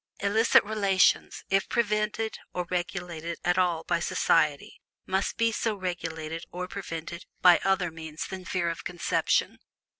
Illicit relations, if prevented or regulated at all by society, must be so regulated or prevented by other means than fear of conception.